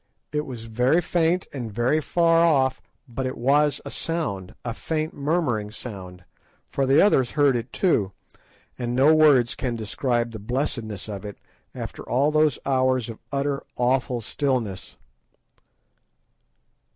It was very faint and very far off, but it was a sound, a faint, murmuring sound, for the others heard it too, and no words can describe the blessedness of it after all those hours of utter, awful stillness.